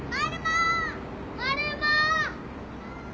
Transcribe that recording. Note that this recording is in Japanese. マルモ！